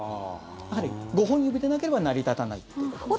５本指でなければ成り立たないということですね。